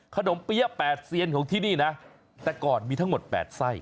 เปี๊ยะ๘เซียนของที่นี่นะแต่ก่อนมีทั้งหมด๘ไส้